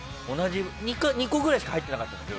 ２個ぐらいしか入ってなかったんだけど。